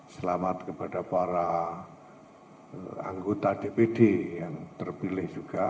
selamat kepada para anggota dpd yang terpilih juga